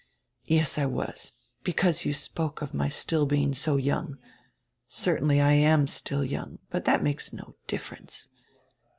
"Yes, I was, because you spoke of my still being so young. Certainly I am still young; but that makes no difference.